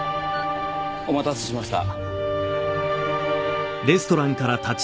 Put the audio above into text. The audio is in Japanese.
お待たせしました。